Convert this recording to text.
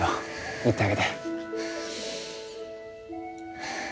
行ってあげて